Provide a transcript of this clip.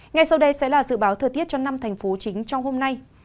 ngay sau đây sẽ là dự báo thời tiết cho năm thành phố chính trong hôm nay